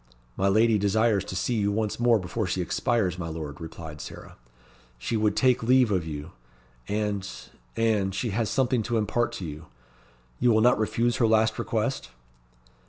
"My lady desires to see you once more before she expires, my lord," replied Sarah. "She would take leave of you; and and she has something to impart to you. You will not refuse her last request?"